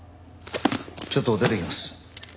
ちょっと出てきます。